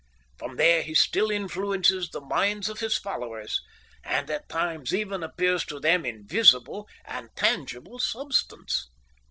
From there he still influences the minds of his followers and at times even appears to them in visible and tangible substance."